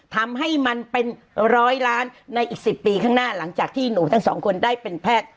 ทำให้มันเป็นร้อยล้านในอีก๑๐ปีข้างหน้าหลังจากที่หนูทั้งสองคนได้เป็นแพทย์